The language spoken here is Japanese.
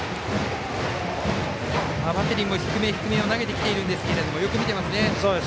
バッテリーも低め低めに投げてきているんですけどよく見てますね。